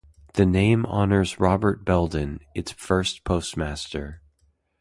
The name honors Robert Belden, its first postmaster.